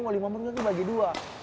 wali memungkinkan dibagi dua